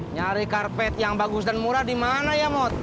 nyari karpet yang bagus dan murah di mana ya mot